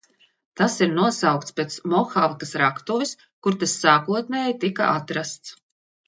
Tas ir nosaukts pēc Mohavkas raktuves, kur tas sākotnēji tika atrasts.